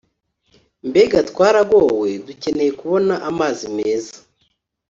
mbega twaragowe dukeneye kubona amazi meza